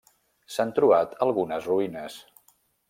S'han trobat algunes ruïnes.